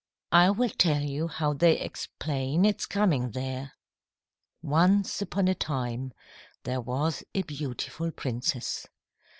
I will tell you how they explain its coming there. "Once upon a time there was a beautiful princess.